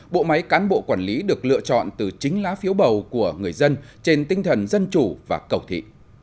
bộ máy cán bộ quản lý được lựa chọn từ chính lá phiếu bầu của người dân trên tinh thần dân chủ và cầu thị